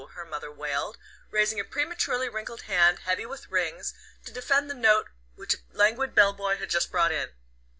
her mother wailed, raising a prematurely wrinkled hand heavy with rings to defend the note which a languid "bell boy" had just brought in.